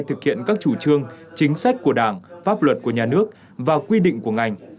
thực hiện các chủ trương chính sách của đảng pháp luật của nhà nước và quy định của ngành